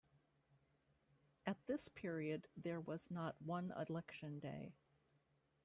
At this period there was not one election day.